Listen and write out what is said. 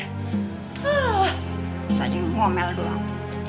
bisa aja ngomel doang